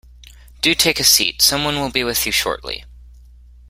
Do take a seat. Someone will be with you shortly.